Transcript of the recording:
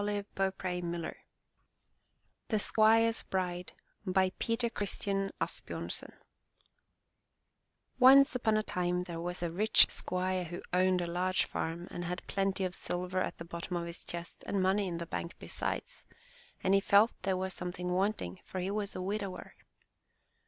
35 MY BOOK HOUSE THE SQUIRE'S BRIDE Peter Christen Asbjornsen NCE upon a time there was a rich squire who owned a large farm and had plenty of silver at the bottom of his chest and money in the bank besides; but he felt there was something wanting, for he was a widower.